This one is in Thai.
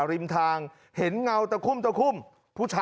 ทำไมคงคืนเขาว่าทำไมคงคืนเขาว่า